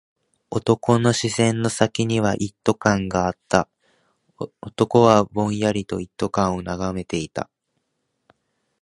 男の視線の先には一斗缶があった。男はぼんやりと一斗缶を眺めていた。